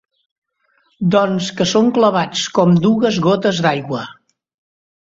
Doncs que són clavats, com dues gotes d'aigua.